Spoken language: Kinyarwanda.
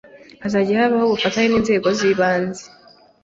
Hazajya habaho ubufatanye n’inzego z’ibanze